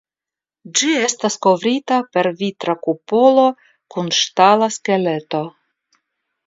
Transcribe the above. Ĝi estas kovrita per vitra kupolo kun ŝtala skeleto.